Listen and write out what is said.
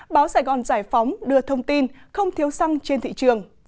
báo sài gòn giải phóng đưa thông tin không thiếu xăng trên thị trường